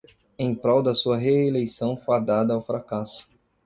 Em prol da sua reeleição fadada ao fracasso